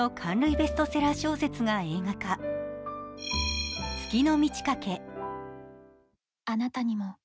ベストセラー小説が映画化「月の満ち欠け」。